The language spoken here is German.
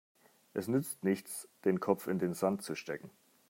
Es nützt nichts, den Kopf in den Sand zu stecken.